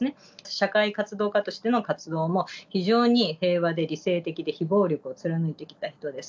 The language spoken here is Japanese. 社会活動家としての活動も、非常に平和で理性的で非暴力を貫いてきた人です。